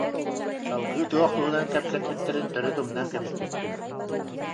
Салгыы туох туһунан кэпсэппиттэрин төрүт умнан кэбиспиппин